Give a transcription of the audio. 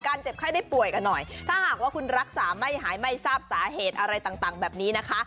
เจ็บไข้ได้ป่วยกันหน่อยถ้าหากว่าคุณรักษาไม่หายไม่ทราบสาเหตุอะไรต่างแบบนี้นะคะ